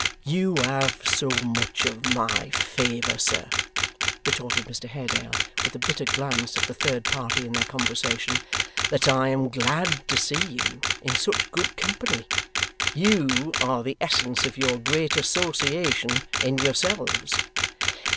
'You have so much of my favour, sir,' retorted Mr Haredale, with a bitter glance at the third party in their conversation, 'that I am glad to see you in such good company. You are the essence of your great Association, in yourselves.